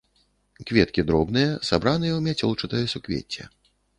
Кветкі дробныя, сабраныя ў мяцёлчатае суквецце.